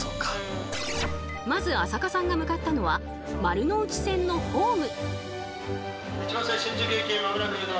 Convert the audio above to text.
まず朝香さんが向かったのは丸ノ内線のホーム。